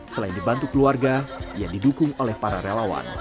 selain dibantu keluarga ia didukung oleh para relawan